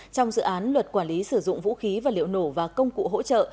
trong dự án luật quản lý sử dụng vũ khí và liệu nổ và công cụ hỗ trợ